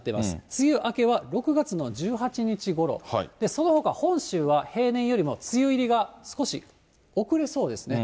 梅雨明けは６月の１８日ごろ、そのほか、本州は平年よりも梅雨入りが少し遅れそうですね。